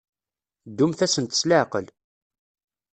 Ddumt-asent s leɛqel.